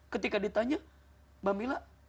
ketika ditanya mba mila